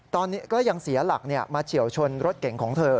ตอนนี้ก็ยังเสียหลักมาเฉียวชนรถเก่งของเธอ